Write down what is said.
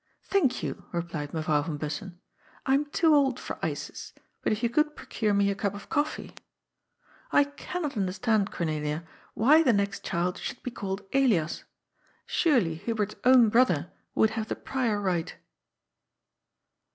" Thank you," replied Mevrouw van Bussen, " I am too old for ices, but if you could procure me a cup of coffee I cannot understand, Cornelia, why the next child should be called Elias. Surely Hubert's own brother would have the prior right."